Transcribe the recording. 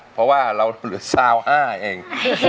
เพราะว่าเราเหลือซาว๕เอง